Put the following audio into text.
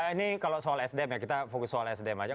ini kalau soal sdm ya kita fokus soal sdm aja